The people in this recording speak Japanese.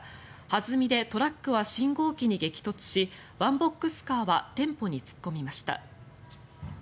弾みでトラックは信号機に激突しワンボックスカーは店舗に突っ込みました。